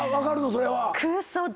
それは。